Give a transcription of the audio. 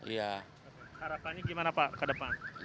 harapannya gimana pak ke depan